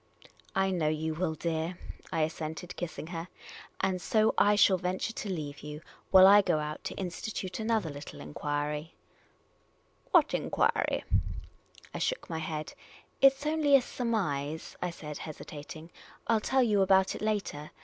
" I know you will, dear," I assented, kissing her, '* and so I shall venture to leave you, while I go out to institute another little enquiry." The Unprofessional Detective 32 j " What enquiry ?" I shook my head. " It 's only a surmise," I said, hesitat ing. " I '11 tell you about it later.